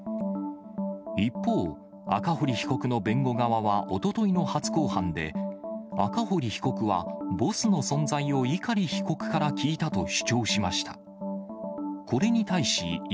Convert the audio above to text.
一方、赤堀被告の弁護側はおとといの初公判で、赤堀被告はボスの存在を碇被告から聞いたと主張しました。